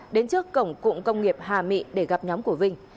đến trước cổng cụng công nghiệp hà mỹ để gặp nhóm của huỳnh